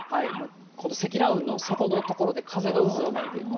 この積乱雲の底の所で風が渦を巻いていると。